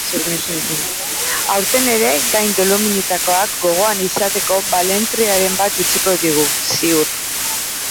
Aurten ere gain dolomitikoak gogoan izateko balentriaren bat utziko digu, ziur.